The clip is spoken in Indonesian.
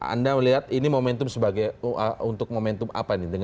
anda melihat ini momentum sebagai untuk momentum apa ini